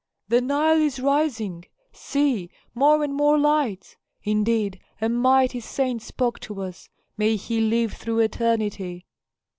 "The Nile is rising! See, more and more lights! Indeed a mighty saint spoke to us. May he live through eternity!"